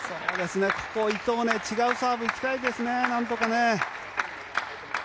ここ伊藤は違うサーブいきたいですね、何とかね。